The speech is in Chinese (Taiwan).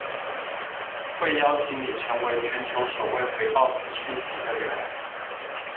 會邀請你成為全球首位回報此訊息的人